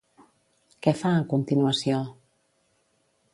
Què fa a continuació?